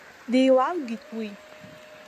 Деилалгеит уи.